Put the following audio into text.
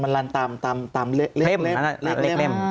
มันลันตามเล่ม